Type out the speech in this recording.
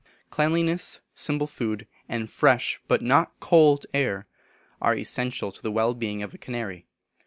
Cleanliness, simple food, and fresh but not cold air, are essential to the well being of a canary.